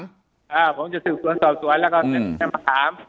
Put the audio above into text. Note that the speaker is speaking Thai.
อ่าผมจะถึงสวนสอบสวยแล้วก็เรียกครูแป้งมาถาม